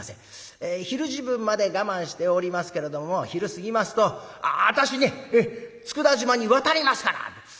昼時分まで我慢しておりますけれども昼過ぎますと「私ね佃島に渡りますから」。